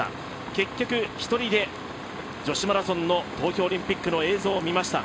結局、一人で女子マラソンの東京オリンピックの映像を見ました。